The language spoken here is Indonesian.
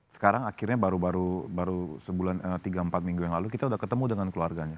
sekarang akhirnya baru sebulan tiga empat minggu yang lalu kita sudah ketemu dengan keluarganya